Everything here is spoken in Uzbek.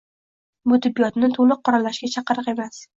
Bu tibbiyotni to‘liq qoralashga chaqiriq emas